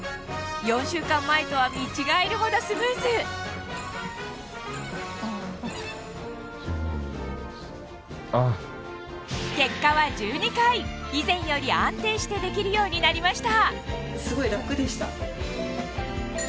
４週間前とは見違えるほどスムーズ結果は１２回以前より安定してできるようになりました